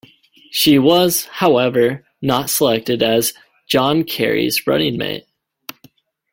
She was, however, not selected as John Kerry's running mate.